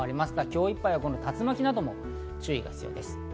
今日いっぱいは竜巻などにも注意が必要です。